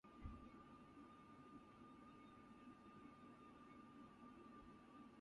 Planet Purple was discovered by Lady Elaine Fairchilde.